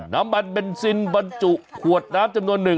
น้ำมันเบนซินบรรจุขวดน้ำจำนวนหนึ่ง